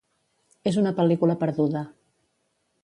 És una pel·lícula perduda.